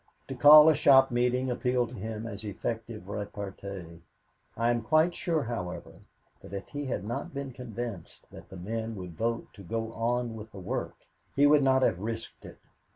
To call a shop meeting appealed to him as effective repartee. I am quite sure, however, that if he had not been convinced that the men would vote to go on with the work, he would not have risked it.